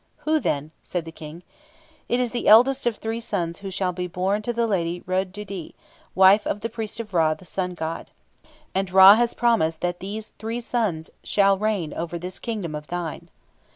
"Who, then?" said the King. "It is the eldest of three sons who shall be born to the lady Rud didet, wife of the priest of Ra, the Sun God. And Ra has promised that these three sons shall reign over this kingdom of thine."